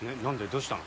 どうしたの？